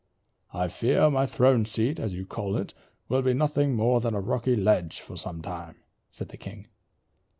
"I fear my throne seat, as you call it, will be nothing more than a rocky ledge for some time," said the king.